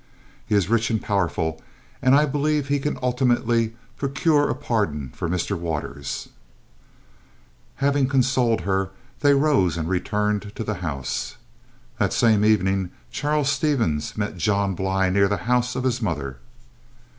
"He is rich and powerful, and I believe he can ultimately procure a pardon for Mr. Waters." Having consoled her, they rose and returned to the house. That same evening, Charles Stevens met John Bly near the house of his mother.